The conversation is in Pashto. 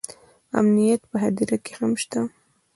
امنیت په هدیره کې هم شته